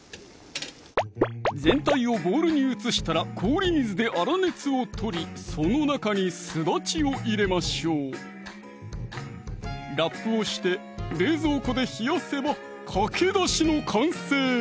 全体をボウルに移したら氷水で粗熱を取りその中にすだちを入れましょうラップをして冷蔵庫で冷やせばかけだしの完成